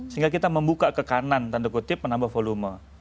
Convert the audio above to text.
sehingga kita membuka ke kanan tanda kutip menambah volume